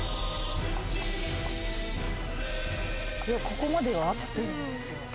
ここまでは合ってるんですよ。